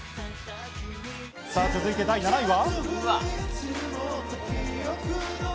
続いて第７位は。